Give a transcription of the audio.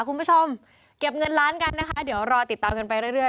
คุณผู้ชมเก็บเงินล้านกันนะคะเดี๋ยวรอติดตามกันไปเรื่อย